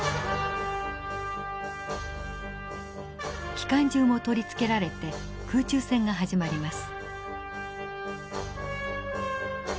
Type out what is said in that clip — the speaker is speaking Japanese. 機関銃も取り付けられて空中戦が始まります。